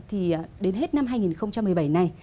thì đến hết năm hai nghìn một mươi bảy này